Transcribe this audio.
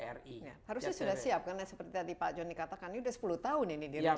harusnya sudah siap karena seperti tadi pak joni katakan ini sudah sepuluh tahun ini direncana